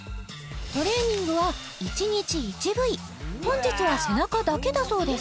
トレーニングは１日１部位本日は背中だけだそうです